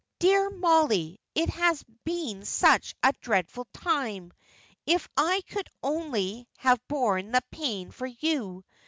"Dear Mollie, it has been such a dreadful time. If I could only have borne the pain for you!